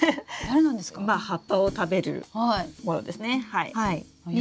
葉っぱを食べるものですね。